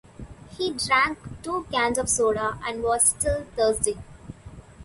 He drank two cans of soda and was still thirsty.